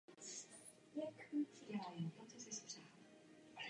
Absolvovala herectví na konzervatoři a dramatickou výchovu na Divadelní akademii.